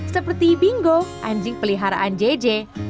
seperti bingo anjing peliharaan jj